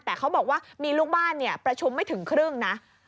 แต่เขาบอกว่ามีลูกบ้านประชุมไม่ถึงครึ่งนะ